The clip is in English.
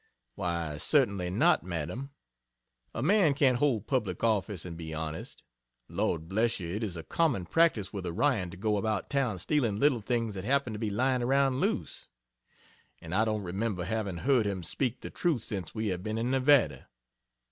Why, certainly not, Madam. A man can't hold public office and be honest. Lord bless you, it is a common practice with Orion to go about town stealing little things that happen to be lying around loose. And I don't remember having heard him speak the truth since we have been in Nevada.